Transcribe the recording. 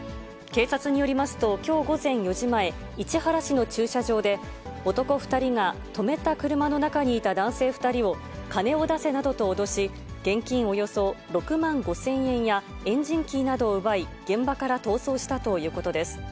警察によりますと、きょう午前４時前、市原市の駐車場で、男２人が止めた車の中にいた男性２人を、金を出せなどと脅し、現金およそ６万５０００円や、エンジンキーなどを奪い、現場から逃走したということです。